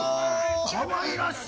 かわいらしい。